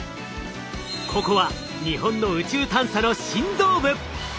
ここは日本の宇宙探査の心臓部！